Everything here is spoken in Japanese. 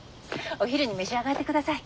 お昼に召し上がってください。